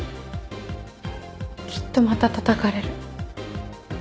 きっとまたたたかれる。